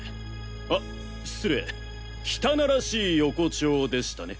あ失礼汚らしい横丁でしたね。